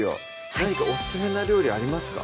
何かオススメな料理ありますか？